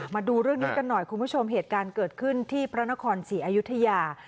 มาดูเรื่องนี้กันหน่อยคุณผู้ชมเหตุการณ์เกิดขึ้นที่พระนครศรีอยุธยา